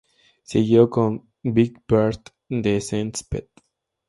Siguió con "Big Byrd: The Essence, Pt.